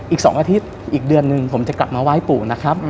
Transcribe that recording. อีก๒อาทิตย์อีกเดือนหนึ่งผมจะกลับมาไหว้ปู่นะครับ